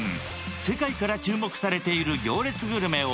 世界から注目されている行列グルメを